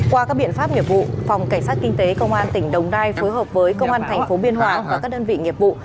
qua các biện pháp nghiệp vụ phòng cảnh sát kinh tế công an tp biên hòa và các đơn vị nghiệp vụ